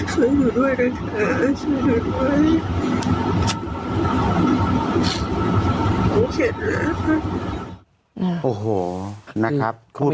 ช่วยหนูด้วยนะคะช่วยหนูด้วย